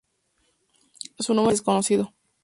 Su número actual es desconocido.